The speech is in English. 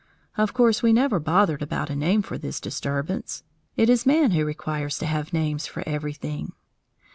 Of course we never bothered about a name for this disturbance; it is man who requires to have names for everything.